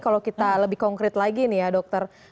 kalau kita lebih konkret lagi nih ya dokter